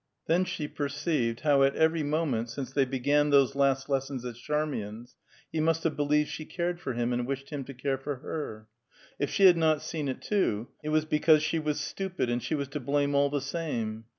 Then she perceived, how at every moment since they began those last lessons at Charmain's he must have believed she cared for him and wished him to care for her. If she had not seen it too, it was because she was stupid, and she was to blame all the same.